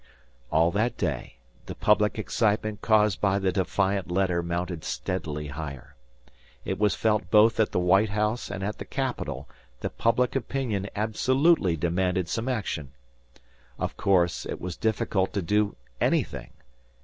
All that day, the public excitement caused by the defiant letter mounted steadily higher. It was felt both at the White House and at the Capitol that public opinion absolutely demanded some action. Of course, it was difficult to do anything.